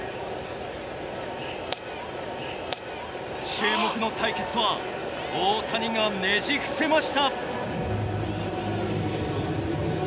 注目の対決は大谷がねじ伏せました。